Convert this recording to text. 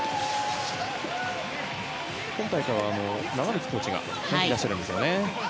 今回は、長光コーチが見てらっしゃるんですよね。